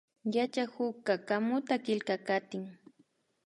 Yachakukka kamuta killkakatin